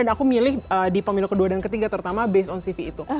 dan aku milih di pemilu kedua dan ketiga terutama based on cv itu